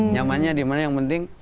nyamannya dimana yang penting